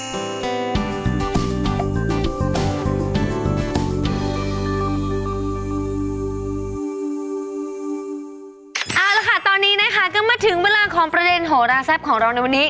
เอาละค่ะตอนนี้นะคะก็มาถึงเวลาของประเด็นโหราแซ่บของเราในวันนี้